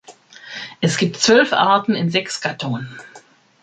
Es gibt zwölf Arten in sechs Gattungen.